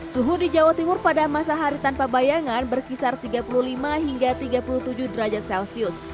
suhu di jawa timur pada masa hari tanpa bayangan berkisar tiga puluh lima hingga tiga puluh tujuh derajat celcius